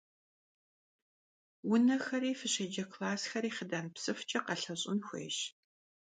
Унэрхэри, фыщеджэ классхэр хъыдан псыфкӀэ къэлъэщӀын хуейщ.